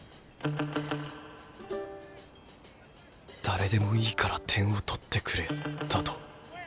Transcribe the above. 「誰でもいいから点を取ってくれ」だと？